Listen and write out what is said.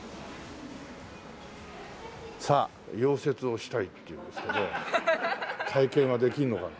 さあ溶接をしたいって言うんですけど体験はできるのかな？